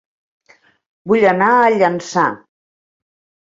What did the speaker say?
Vull anar a Llançà